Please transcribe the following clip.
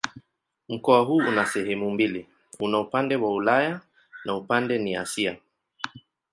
Mkoa huu una sehemu mbili: una upande wa Ulaya na upande ni Asia.